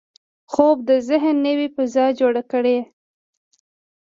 خوب د ذهن نوې فضا جوړه کړي